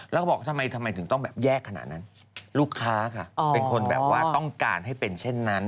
แล้วก็บอกทำไมทำไมถึงต้องแบบแยกขนาดนั้นลูกค้าค่ะเป็นคนแบบว่าต้องการให้เป็นเช่นนั้น